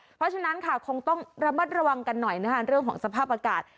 เพราะฉะนั้นค่ะคงต้องระมัดระวังกันหน่อยนะคะเรื่องของสภาพอากาศ